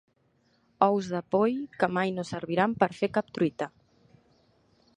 Ous de poll que mai no serviran per fer cap truita.